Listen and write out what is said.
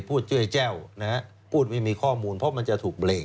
พูดช่วยแจ้วนะฮะพูดไม่มีข้อมูลเพราะมันจะถูกเบรก